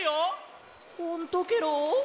ほんとケロ？